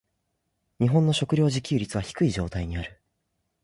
日本の食糧自給率は低い状態にある。